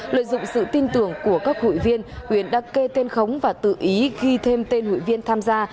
lợi dụng sự tin tưởng của các hội viên huyền đã kê tên khống và tự ý ghi thêm tên hụi viên tham gia